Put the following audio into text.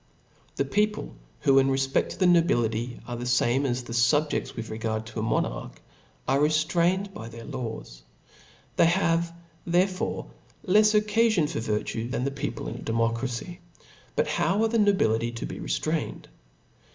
The people, who in refpeft to the Mobility arc the fame as the fubjcds with regard to a mon arch, are reftrasined by their laws. They have^ therefore^ lefs occafion for virtue than the people in a democracy^ But how are the nobility to be reftrained?